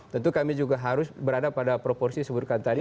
tentu kami juga harus berada pada proporsi yang disebutkan tadi